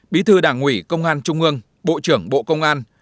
bí thư đảng ủy công an trung ương bộ trưởng bộ công an